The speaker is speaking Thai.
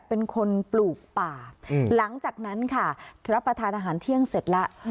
เป็นคนปลูกป่าหลังจากนั้นค่ะรับประทานอาหารเที่ยงเสร็จแล้ว